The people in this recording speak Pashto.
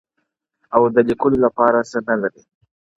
• او د لیکلو لپاره څه نه لري -